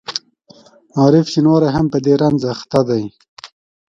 عارف شینواری هم په دې رنځ اخته دی.